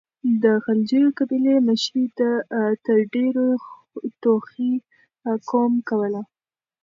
د غلجيو قبيلې مشري تر ډيرو توخي قوم کوله.